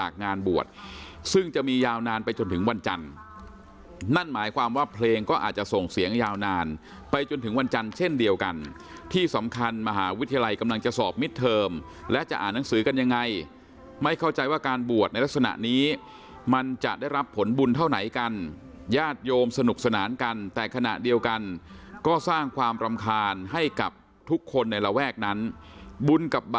ความว่าเพลงก็อาจจะส่งเสียงยาวนานไปจนถึงวันจันทร์เช่นเดียวกันที่สำคัญมหาวิทยาลัยธรรมศาสตร์กำลังจะสอบมิดเทิมและจะอ่านหนังสือกันยังไงไม่เข้าใจว่าการบวชในลักษณะนี้มันจะได้รับผลบุญเท่าไหนกันญาติโยมสนุกสนานกันแต่ขณะเดียวกันก็สร้างความปรำคาญให้กับทุ